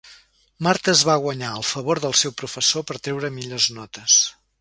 Marta es va guanyar el favor del seu professor per treure millors notes.